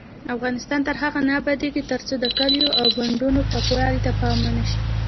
افغانستان تر هغو نه ابادیږي، ترڅو د کلیو او بانډو پاکوالي ته پام ونشي.